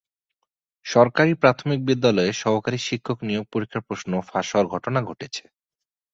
সরকারি প্রাথমিক বিদ্যালয়ের সহকারী শিক্ষক নিয়োগ পরীক্ষার প্রশ্ন ফাঁস হওয়ার ঘটনা ঘটেছে।